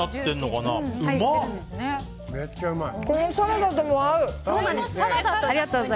このサラダとも合う！